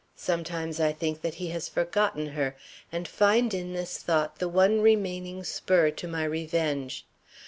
Sometimes I think that he has forgotten her, and find in this thought the one remaining spur to my revenge.